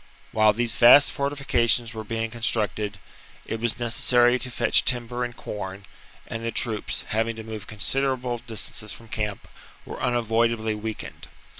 While these vast fortifications were being constructed, it was necessary to fetch timber and corn ; and the troops, having to move considerable distances from camp, were unavoidably weakened.